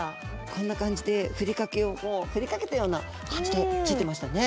こんな感じでふりかけを振りかけたような感じでついてましたね。